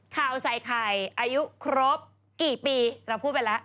ข่าวใส่ไข่อายุครบกี่ปีเราพูดไปแล้ว